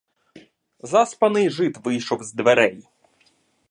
Заспаний жид вийшов з дверей.